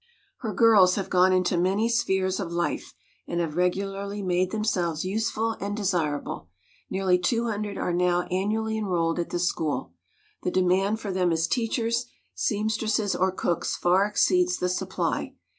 Her girls have gone into many spheres of life and have regularly made themselves useful and desirable. Nearly two hundred are now annually enrolled at the school. The demand for them as teachers, seam stresses, or cooks far exceeds the supply.